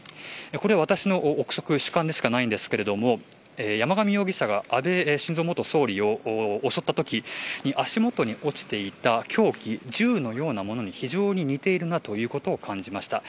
これは私の臆測でしかないんですが山上容疑者が安倍元総理を襲ったとき足元に落ちていた凶器、銃のようなものに非常に似ていると感じました。